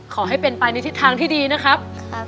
ขอให้เป็นไปในทิศทางที่ดีนะครับ